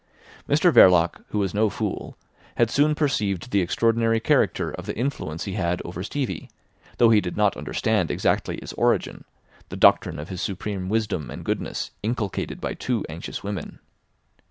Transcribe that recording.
Mr Verloc, who was no fool, had soon perceived the extraordinary character of the influence he had over Stevie, though he did not understand exactly its origin—the doctrine of his supreme wisdom and goodness inculcated by two anxious women.